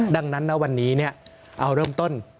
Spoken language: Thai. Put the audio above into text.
ดังนั้นนะวันนี้เอาเริ่มต้น